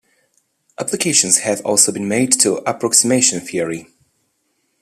Applications have also been made to approximation theory.